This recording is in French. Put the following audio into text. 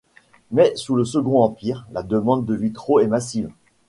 Mais sous le Second Empire, la demande de vitraux est massive.